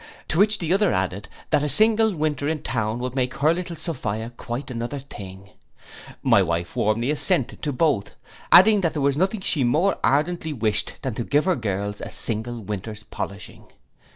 To which the other added, that a single winter in town would make her little Sophia quite another thing. My wife warmly assented to both; adding, that there was nothing she more ardently wished than to give her girls a single winter's polishing.